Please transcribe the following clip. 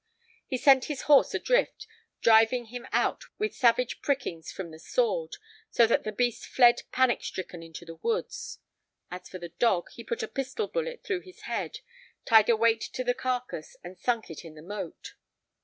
He sent his horse adrift, driving him out with savage prickings from his sword, so that the beast fled panic stricken into the woods. As for the dog, he put a pistol bullet through his head, tied a weight to the carcass, and sunk it in the moat.